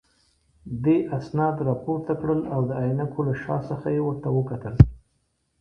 دې اسناد راپورته کړل او د عینکو له شا څخه یې ورته وکتل.